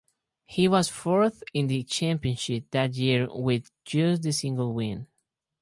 He was fourth in the championship that year with just the single win.